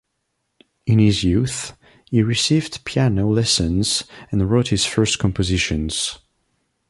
In his youth, he received piano lessons and wrote his first compositions.